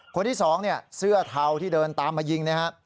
คนที่๒เสื้อเทาที่เดินตามมายิงนะฮะ